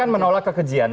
anda menolak kekejian